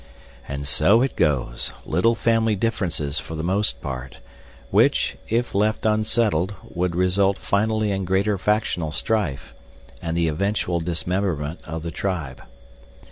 And so it goes, little family differences for the most part, which, if left unsettled would result finally in greater factional strife, and the eventual dismemberment of the tribe.